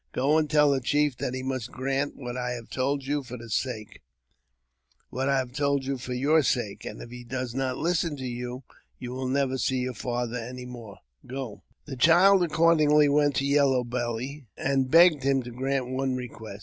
Go and tell the chief that he must grant what I have told you for your sake, and if he does not listen to you, you will never see your father any more. Go !" The child accordingly went to Yellow Belly, and begged him to grant one request.